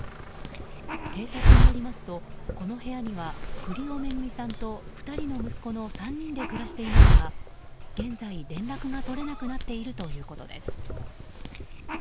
警察によりますとこの部屋には栗尾惠さんと２人の息子が３人で暮らしていますが現在、連絡が取れなくなっているということです。